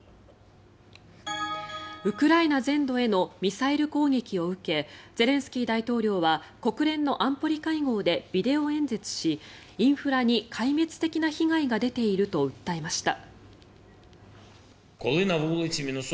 ウクライナ全土へのミサイル攻撃を受けゼレンスキー大統領は国連の安保理会合でビデオ演説しインフラに壊滅的な被害が出ていると訴えました。